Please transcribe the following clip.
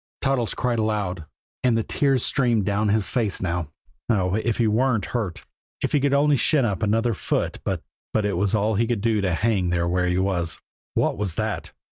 Toddles cried aloud, and the tears streamed down his face now. Oh, if he weren't hurt if he could only shin up another foot but but it was all he could do to hang there where he was. _What was that!